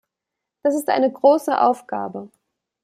Das ist eine große Aufgabe.